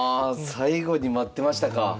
最後に待ってましたか。